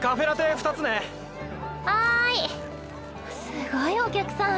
すごいお客さん。